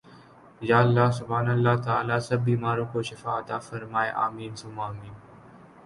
یا اللّٰہ سبحان اللّٰہ تعالی سب بیماروں کو شفاء عطاء فرمائے آمین ثم آمین